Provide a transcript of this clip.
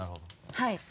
はい。